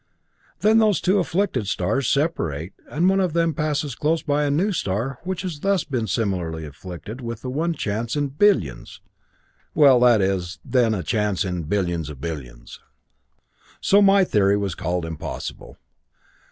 Then those afflicted stars separate, and one of them passes close by a new star, which has thus been similarly afflicted with that one chance in billions well, that is then a chance in billions of billions. "So my theory was called impossible.